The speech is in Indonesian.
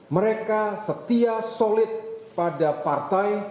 mereka setia solid pada partai